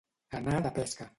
Anar de pesca.